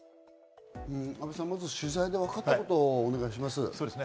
まず取材で分かったことをお願いします。